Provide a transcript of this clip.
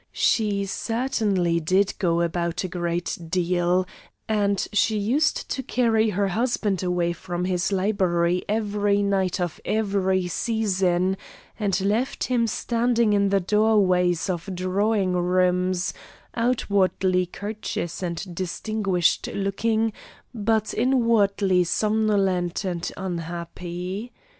She certainly did go about a great deal, and she used to carry her husband away from his library every night of every season and left him standing in the doorways of drawing rooms, outwardly courteous and distinguished looking, but inwardly somnolent and unhappy.